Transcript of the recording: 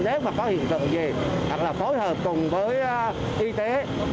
nếu mà có hiện tượng gì hoặc là phối hợp cùng với y tế